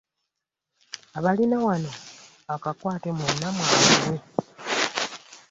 Abalina wano akakwate mwenna mwanguwe.